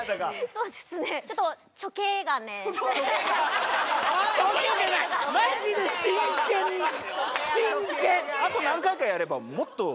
そうですね真剣！